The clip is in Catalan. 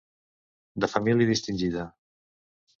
De família distingida.